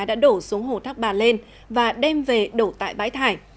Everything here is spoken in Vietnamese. đã đổ xuống hồ thác bà lên và đem về đổ tại bãi thải